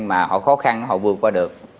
mà họ khó khăn họ vượt qua được